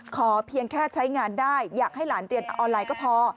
เพียงแค่ใช้งานได้อยากให้หลานเรียนออนไลน์ก็พอ